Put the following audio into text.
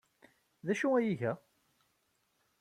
D acu ay iga?